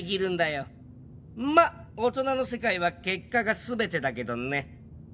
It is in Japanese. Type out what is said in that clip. まあ大人の世界は結果が全てだけどね。